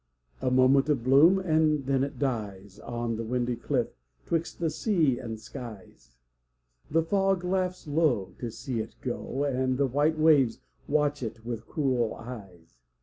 A moment of bloom, and then it dies On the windy cliff 'twixt the sea and skies. The fog laughs low to see it go, And the white waves watch it with cruel eyes.